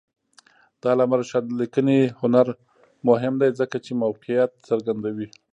د علامه رشاد لیکنی هنر مهم دی ځکه چې موقعیت څرګندوي.